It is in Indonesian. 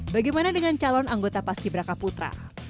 bagaimana dengan calon anggota pas ki braka putra